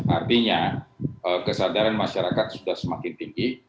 artinya kesadaran masyarakat sudah semakin tinggi